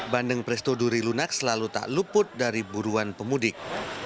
bandeng presto duri lunak selalu tak luput dari buruan pemudik